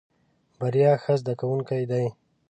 بريا ښه زده کوونکی دی.